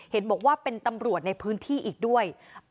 เห็นบอกว่าเป็นตำรวจในพื้นที่อีกด้วย